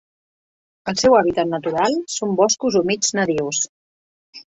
El seu hàbitat natural són boscos humits nadius.